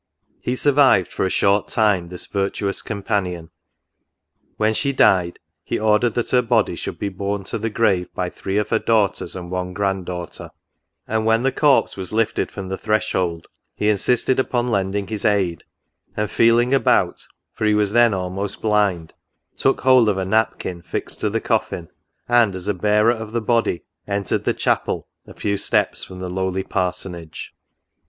He survived for a short time this virtuous companion. When she died, he ordered that her body should be borne to the grave by three of her daughters and one grandaughter ; and, when the corpse was lifted from the threshold, he insisted upon lend ing his aid, and feehng about, for he was then almost blind, took hold of a napkin fixed to the coffin ; and, as a bearer of the body, entered the Chapel, a few steps from the lowly Parsonage.